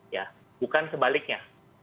ya bukan sebaliknya